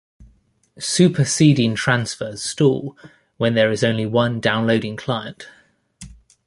Super seeding transfers stall when there is only one downloading client.